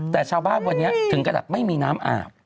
แต่ชาวบ้านวันนี้ถึงกระดาษไม่มีน้ำอาบ